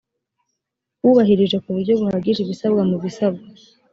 hubahirije ku buryo buhagije ibisabwa mu bisabwa